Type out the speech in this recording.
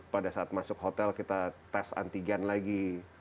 pada saat masuk hotel kita tes antigen lagi